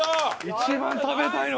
一番食べたいの。